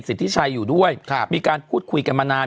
สิทธิชัยอยู่ด้วยครับมีการพูดคุยกันมานาน